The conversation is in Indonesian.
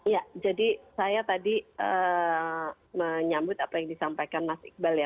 ya jadi saya tadi menyambut apa yang disampaikan mas iqbal ya